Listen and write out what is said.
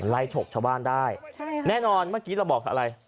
ฉกชาวบ้านได้แน่นอนเมื่อกี้เราบอกอะไร